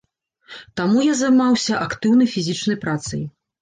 Таму я займаўся актыўнай фізічнай працай.